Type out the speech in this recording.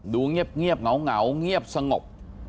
ดูเงียบเหงาเงียบสงบ